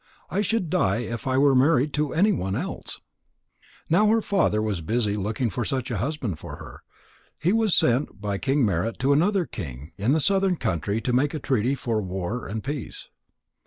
I should die if I were married to anyone else." Now while her father was busy looking for such a husband for her, he was sent by King Merit to another king in the southern country to make a treaty for war and peace.